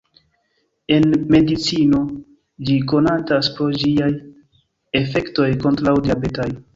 En medicino, ĝi konatas pro ĝiaj efektoj kontraŭ-diabetaj.